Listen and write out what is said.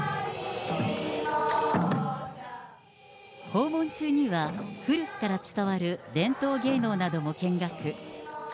訪問中には、古くから伝わる伝統芸能なども見学。